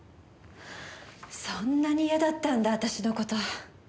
そんなに嫌だったんだ私の事。